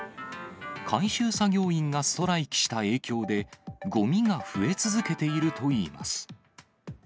回収作業員がストライキした影響で、ごみが増え続けているといいます。